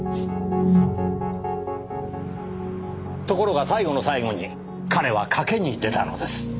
ところが最後の最後に彼は賭けに出たのです。